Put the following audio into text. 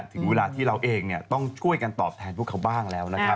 ถึงเวลาที่เราเองต้องช่วยกันตอบแทนพวกเขาบ้างแล้วนะครับ